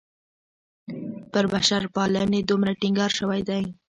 پر بشرپالنې دومره ټینګار شوی دی.